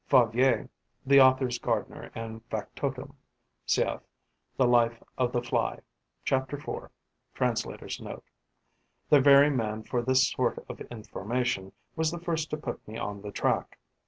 Favier (The author's gardener and factotum. Cf. "The Life of the Fly": chapter 4. Translator's Note.), the very man for this sort of information, was the first to put me on the track.